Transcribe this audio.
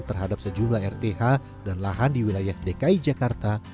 terhadap sejumlah rth dan lahan di wilayah dki jakarta